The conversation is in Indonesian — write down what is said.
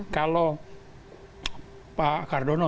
kalau pak cardono